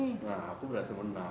nah aku berhasil menang